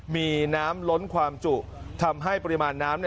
มีน้ำล้นความจุทำให้ปริมาณน้ำ